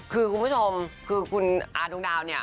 คือคุณผู้ชมคือคุณอาดวงดาวเนี่ย